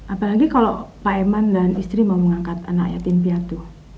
apalagi kalau pak eman dan istri mau mengangkat anak yatim piatu